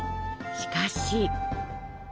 しかし。